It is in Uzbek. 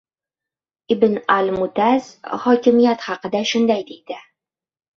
Ibn al-Mutazz hokimiyat haqida shunday deydi: